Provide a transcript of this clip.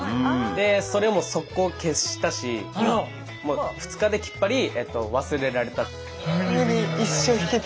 それもソッコー消したしもう２日できっぱり忘れられた。